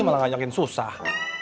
malah ngajakin susah